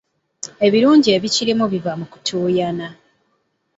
Ebirungi ebikirimu biva mu kutuuyana.